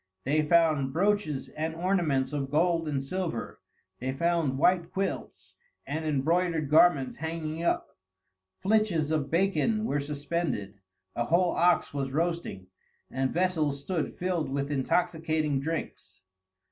They found brooches and ornaments of gold and silver, they found white quilts and embroidered garments hanging up, flitches of bacon were suspended, a whole ox was roasting, and vessels stood filled with intoxicating drinks.